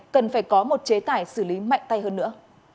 cần phải có một chế tải xử lý mạnh tay hơn nữa